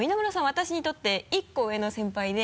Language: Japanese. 私にとって１個上の先輩で。